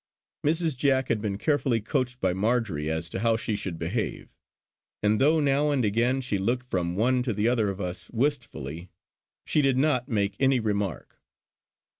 Mrs. Jack had been carefully coached by Marjory as to how she should behave; and though now and again she looked from one to the other of us wistfully, she did not make any remark.